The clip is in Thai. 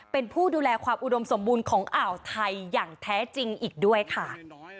เป็นผู้ดูแลความอุดมสมบูรณ์ของอ่าวไทยอย่างแท้จริงอีกด้วยค่ะ